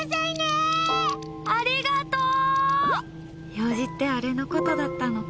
用事ってあれのことだったのか。